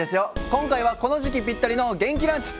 今回はこの時期ぴったりの元気ランチ。